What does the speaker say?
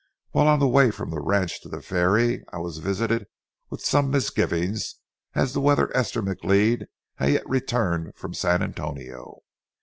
While on the way from the ranch to the ferry, I was visited with some misgivings as to whether Esther McLeod had yet returned from San Antonio.